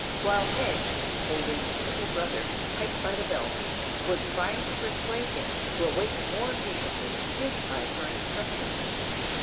While Meg, holding "Little Brother" tight by the belt, was trying to persuade him to await more patiently his time for instruction.